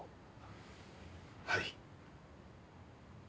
はい。